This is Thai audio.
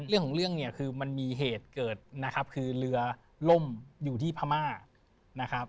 เรื่องของเรื่องเนี่ยคือมันมีเหตุเกิดนะครับคือเรือล่มอยู่ที่พม่านะครับ